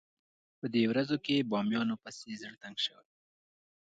په دې ورځو کې بامیانو پسې زړه تنګ شوی.